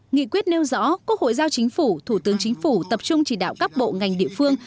nghị quyết nêu rõ quốc hội giao chính phủ thủ tướng chính phủ tập trung chỉ đạo các bộ ngành địa phương